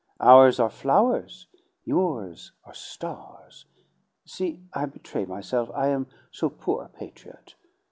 Ours are flowers, yours are stars! See, I betray myself, I am so poor a patriot.